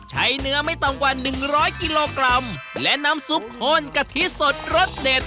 ใช้เนื้อไม่ต่ำกว่าหนึ่งร้อยกิโลกรัมและน้ำซุปข้นกะทิสดรสเด็ด